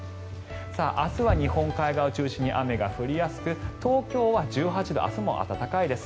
明日は日本海側を中心に雨が降りやすく東京は１８度明日も暖かいです。